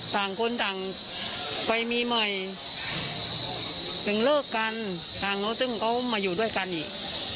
ต่างคนต่างไปมีใหม่ถึงเลิกกันทางเขาซึ่งเขามาอยู่ด้วยกันอีก